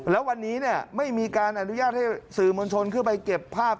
แล้ววันนี้ไม่มีการอนุญาตให้สื่อมวลชนขึ้นไปเก็บภาพ